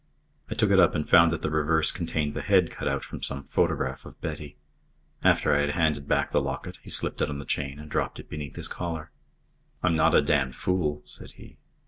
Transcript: I took it up and found that the reverse contained the head cut out from some photograph of Betty. After I had handed back the locket, he slipped it on the chain and dropped it beneath his collar. "I'm not a damned fool," said he.